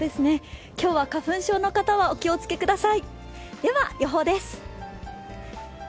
今日は花粉症の方はお気をつけください。